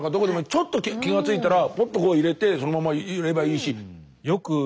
ちょっと気が付いたらポッとこう入れてそのままいればいいし。